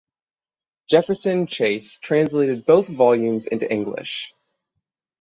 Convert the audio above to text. Jefferson Chase translated both volumes into English.